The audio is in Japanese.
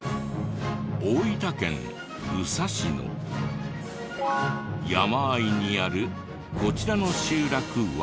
大分県宇佐市の山あいにあるこちらの集落は。